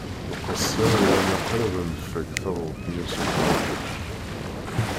Nqesser yerna qrib ad nfakk taduṭ-nni s uqerdec.